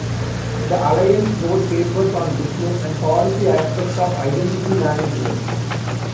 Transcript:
The alliance wrote papers on business and policy aspects of identity managemen.